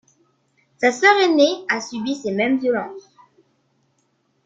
Sa sœur aînée a subi ces mêmes violences.